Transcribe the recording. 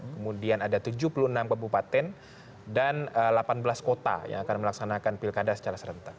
kemudian ada tujuh puluh enam kabupaten dan delapan belas kota yang akan melaksanakan pilkada secara serentak